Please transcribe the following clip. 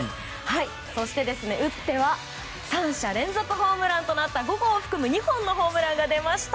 そして、打っては３者連続ホームランとなった５号を含む２本のホームランが出ました。